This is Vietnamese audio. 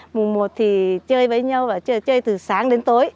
mùng một thì chơi với nhau và chơi từ sáng đến tối